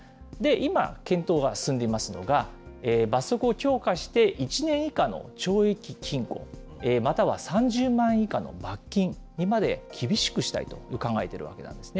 今、検討が進んでいますのが、罰則を強化して１年以下の懲役、禁錮、または３０万円以下の罰金にまで厳しくしたいと考えているわけなんですね。